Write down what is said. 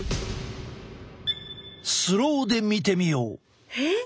スローで見てみよう。